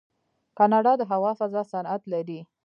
کاناډا د هوا فضا صنعت لري.